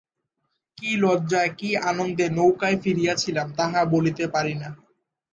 কী লজ্জায় এবং কী আনন্দে নৌকায় ফিরিয়াছিলাম তাহা বলিতে পারি না।